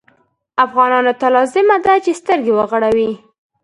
افغانانو ته لازمه ده چې سترګې وغړوي.